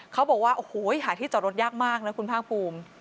เขาบอกว่าโอ้โหหาที่จอดรถยากมากนะคุณภาคภูมิ